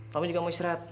kamu juga mau istirahat